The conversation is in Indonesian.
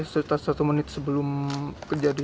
berarti satu menit sebelum kejarin